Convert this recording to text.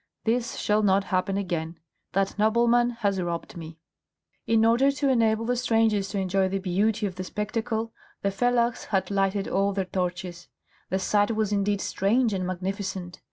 "This shall not happen again. That nobleman has robbed me." In order to enable the strangers to enjoy the beauty of the spectacle, the fellahs had lighted all their torches. The sight was indeed strange and magnificent.